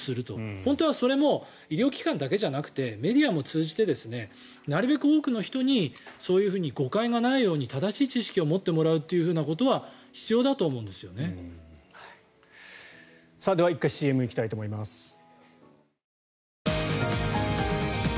本当はそれも医療機関だけじゃなくてメディアも通じてなるべく多くの人にそういうふうに誤解がないように正しい知識を持ってもらうということは皆さんにご質問を頂きました。